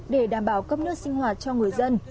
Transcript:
đảm bảo cấp nước sinh hoạt cho người dân